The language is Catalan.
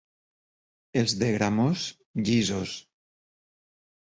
Els de Gramós, llisos.